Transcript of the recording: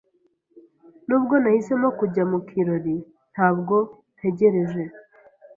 Nubwo nahisemo kujya mu kirori, ntabwo ntegereje.